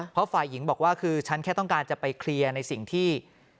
เพราะฝ่ายหญิงบอกว่าคือฉันแค่ต้องการจะไปเคลียร์ในสิ่งที่